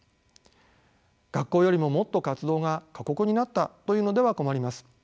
学校よりももっと活動が過酷になったというのでは困ります。